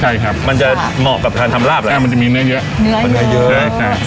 ใช่ครับมันจะเหมาะกับทำราบอะไรอ่ามันจะมีเนื้อเยอะเนื้อเยอะ